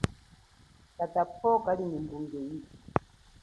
Tata powa kali nyi mbunge ipi.